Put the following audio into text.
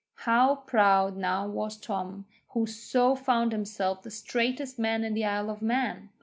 How proud now was Tom, who so found himself the straightest man in the Isle of Mann!